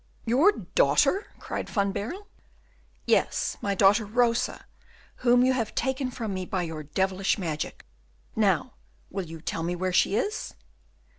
"Your daughter?" cried Van Baerle. "Yes, my daughter Rosa, whom you have taken from me by your devilish magic. Now, will you tell me where she is?"